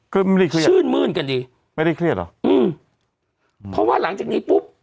ก็ไม่ได้เครียดชื่นมื้นกันดีไม่ได้เครียดเหรออืมเพราะว่าหลังจากนี้ปุ๊บ